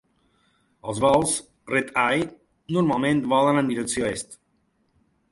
Els vols red-eye normalment volen en direcció est.